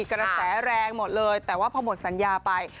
กระแสแรงหมดเลยแต่ว่าพอหมดสัญญาไป